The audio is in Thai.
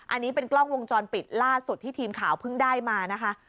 อันนี้เป็นกล้องวงจรปิดล่าสุดที่ทีมข่าวเพิ่งได้มานะคะ